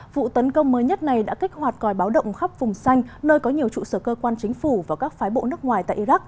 vụ tấn công mới nhất này đã kích hoạt còi báo động khắp vùng xanh nơi có nhiều trụ sở cơ quan chính phủ và các phái bộ nước ngoài tại iraq